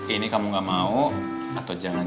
ini kamu gak mau atau jangan